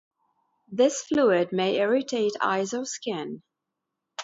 This fluid may irritate eyes or skin.